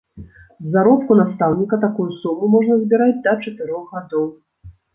З заробку настаўніка такую суму можна збіраць да чатырох гадоў.